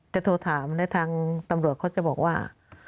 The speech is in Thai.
โทรถามและทางตำรวจเขาจะบอกว่า